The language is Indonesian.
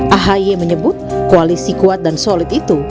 ahy menyebut koalisi kuat dan solid itu